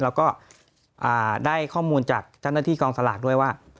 แล้วก็ได้ข้อมูลจากเจ้าหน้าที่กองสลากด้วยว่า